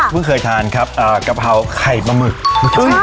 เมื่อเคยทานครับกะเพราไข่มะหมึก